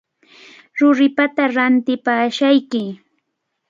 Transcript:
Ruripata ratipashqayki.